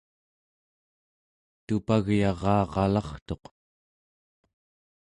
tupagyararalartuq